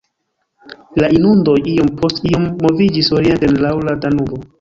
La inundoj iom post iom moviĝis orienten laŭ la Danubo.